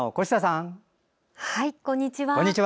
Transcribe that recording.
こんにちは。